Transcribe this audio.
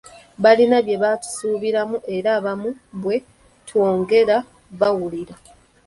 Balina bye batusuubiramu era abamu bwe twogera bawulira.